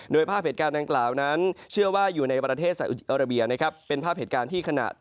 โดยภาพเหตุการณ์ดังกล่าวนั้นเชื่อว่าอยู่ในประเทศสายอุจิฐารบิน